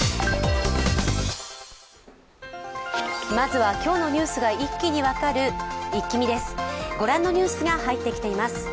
まずは今日のニュースが一気に分かるイッキ見です。